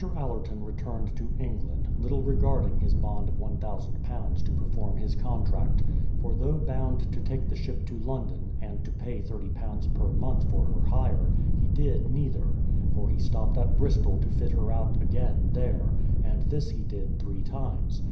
Allerton returned to England, little regarding his bond of £1000 to perform his contract; for though bound to take the ship to London, and to pay £30 per month for her hire, he did neither, for he stopped at Bristol to fit her out again there; and this he did three times.